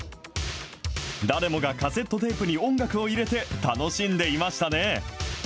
誰もがカセットテープに音楽を入れて楽しんでいましたね。